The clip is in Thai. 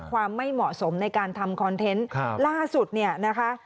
ความไม่เหมาะสมในการทำคอนเทนต์ล่าสุดเนี่ยนะคะ